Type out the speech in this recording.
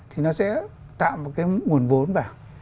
thì nó sẽ tạo một cái nguồn vốn vào